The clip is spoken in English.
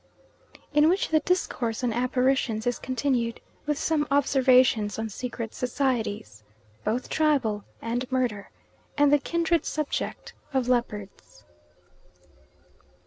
In which the discourse on apparitions is continued, with some observations on secret societies, both tribal and murder, and the kindred subject of leopards.